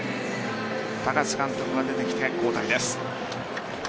高津監督が出てきて交代です。